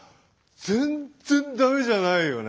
全然ダメじゃないよね。